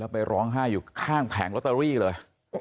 ไปร้องไห้อยู่ข้างแผงลอตเตอรี่เลย